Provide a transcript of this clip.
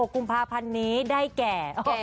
กุมภาพันธ์นี้ได้แก่